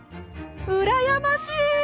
うらやましい！